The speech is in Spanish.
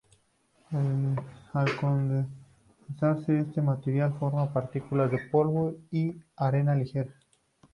Al condensarse este material, forma partículas de polvo y arena ligera.